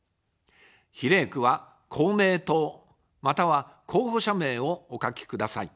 比例区は公明党または候補者名をお書きください。